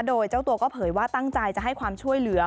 โดยเจ้าตัวก็เผยว่าตั้งใจจะให้ความช่วยเหลือ